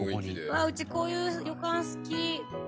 うわっうちこういう旅館好き。